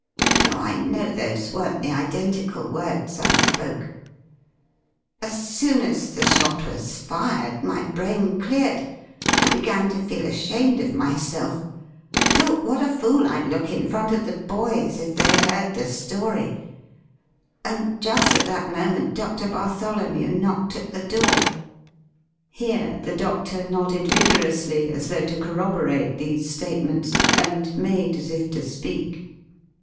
though I know those weren't the identical words I spoke. As soon as the shot was fired my brain cleared. I began to feel ashamed of myself, thought what a fool I'd look in front of the boys if they heard the story; and just at that moment Doctor Bartholomew knocked at the door." Here the doctor nodded vigorously as though to corroborate these statements, and made as if to speak.